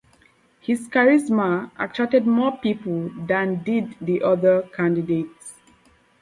His charisma attracted more people than did the other candidates.